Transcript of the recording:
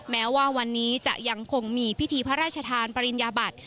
แม้ว่าวันนี้จะยังคงมีพิธีพระราชทานปริญญาบัติ